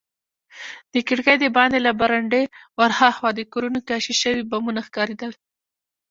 د کړکۍ دباندې له برنډې ورهاخوا د کورونو کاشي شوي بامونه ښکارېدل.